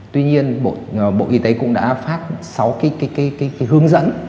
tuy nhiên bộ y tế cũng đã phát sáu cái hướng dẫn